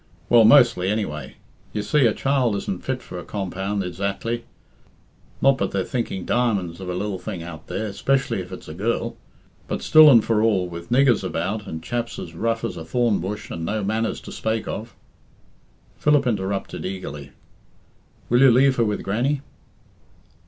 Well, mostly, anyway. You see, a child isn't fit for a compound ezactly. Not but they're thinking diamonds of a lil thing out there, specially if it's a girl. But still and for all, with niggers about and chaps as rough as a thornbush and no manners to spake of " Philip interrupted eagerly "Will you leave her with Grannie!"